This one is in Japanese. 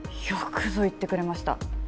よくぞ言ってくれました